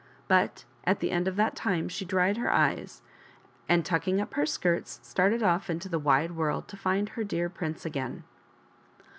But at the end of that time she dried her eyes, and, tucking up her skirts, started off into the wide world to find her dear prince again.